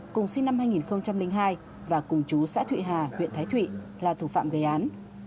cùng sinh năm hai nghìn hai và cùng chú xã thụy hà huyện thái thụy là thủ phạm gây án